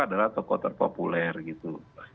adalah tokoh terpopuler gitu